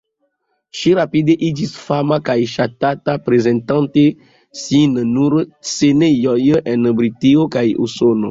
Ŝi rapide iĝis fama kaj ŝatata, prezentante sin sur scenejoj en Britio kaj Usono.